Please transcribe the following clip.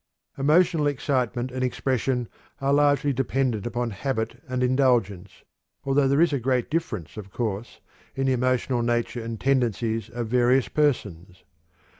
Emotional excitement and expression are largely dependent upon habit and indulgence, although there is a great difference, of course, in the emotional nature and tendencies of various persons.